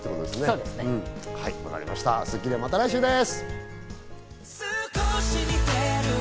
『スッキリ』はまた来週です。